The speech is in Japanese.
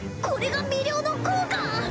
これが魅了の効果！